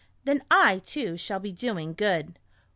Then I, too, shall be doing good."